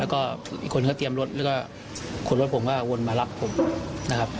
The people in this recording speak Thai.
แล้วก็อีกคนก็เตรียมรถแล้วก็คนรถผมก็วนมารับผมนะครับ